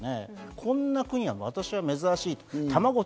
こんな国は私は珍しいと。